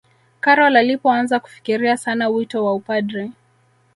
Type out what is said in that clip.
karol alipoanza kufikiria sana wito wa upadri